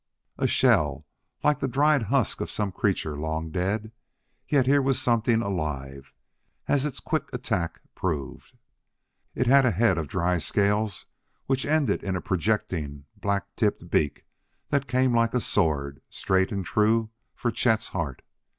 A shell, like the dried husk of some creature long dead! yet here was something alive, as its quick attack proved. It had a head of dry scales which ended in a projecting black tipped beak that came like a sword, straight and true for Chet's heart.